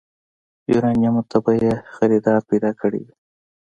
يوارنيمو ته به يې خريدار پيدا کړی وي.